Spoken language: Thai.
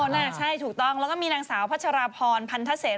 ใช่ถูกต้องแล้วก็มีนางสาวพัชราพรพันธเศษ